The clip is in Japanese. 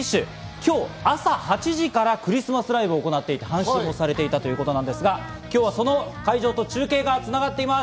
今朝８時からクリスマスライブの配信をされていたということですが、その会場と今日は中継が繋がっています。